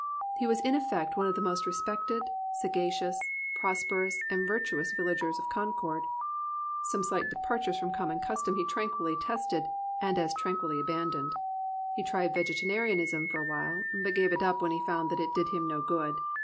He was in effect one of the most resp>ected, saga cious, prosperous and virtuous villagers of Concord. Some slight departures from common custom he tranquilly tested and as tranquilly abandoned. He tried vegetarianism for a while, but gave it up when he found that it did him no good.